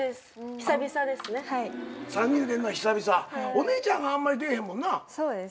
お姉ちゃんあんまり出えへんもんな。